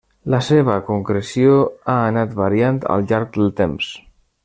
La seva concreció ha anat variant al llarg del temps.